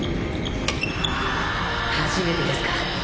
初めてですか？